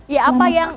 ya apa yang